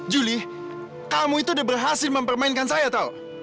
juli kamu itu udah berhasil mempermainkan saya tau